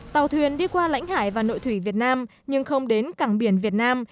tàu thuyền đi qua lãnh hải và nội thủy việt nam nhưng không đến cảng biển việt nam